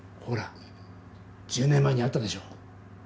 ほら１０年前にあったでしょ